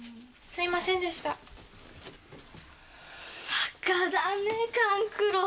バカだね勘九郎。